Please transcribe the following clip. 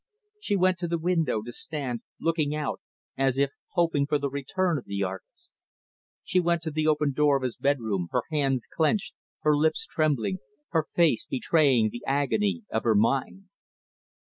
She went to the window to stand looking out as if hoping for the return of the artist. She went to the open door of his bedroom, her hands clenched, her limbs trembling, her face betraying the agony of her mind.